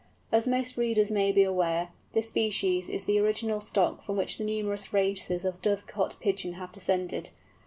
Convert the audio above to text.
As most readers may be aware, this species is the original stock from which the numerous races of dovecot Pigeon have descended.